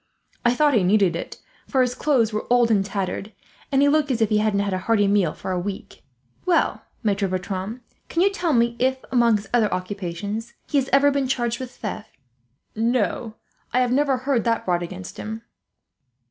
I thought he needed it, for his clothes were old and tattered, and he looked as if he hadn't had a hearty meal for a week. "Well, Maitre Bertram, can you tell me if, among his other occupations, he has ever been charged with theft?" "No, I have never heard that brought against him."